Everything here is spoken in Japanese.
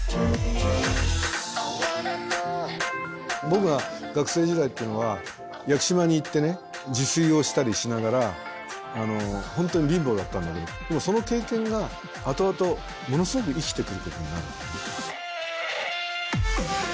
僕は学生時代っていうのは屋久島に行って自炊をしたりしながら本当に貧乏だったんだけどでもその経験が後々ものすごく生きてくることになる。